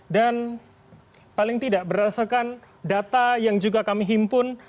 dan paling tidak berdasarkan data yang juga kami himpun